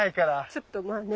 ちょっとまあね